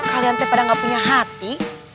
kalian te pada gak punya hati